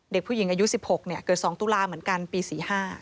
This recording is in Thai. เด็กผู้หญิงอายุ๑๖เกิด๒ตุลาเหมือนกันปี๔๕